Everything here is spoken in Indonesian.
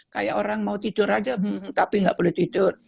kayak orang mau tidur aja tapi nggak boleh tidur